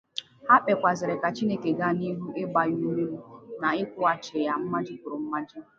Ha kpekwazịrị ka Chineke gaa n'ihu ịgba ya ume na ịkwụghachi ya mmaji kwuru mmaji.